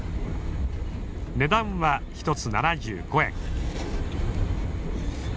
値段は１つ７５円。